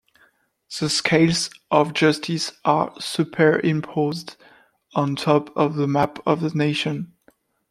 The scales of justice are superimposed on top of the map of the nation.